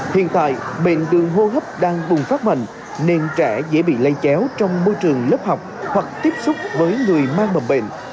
hiện tại bệnh đường hô hấp đang bùng phát mạnh nên trẻ dễ bị lây chéo trong môi trường lớp học hoặc tiếp xúc với người mang mầm bệnh